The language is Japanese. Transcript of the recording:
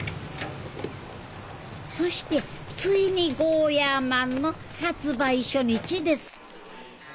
そしてついにゴーヤーマンの発売初日です